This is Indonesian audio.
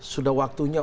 sudah waktunya umur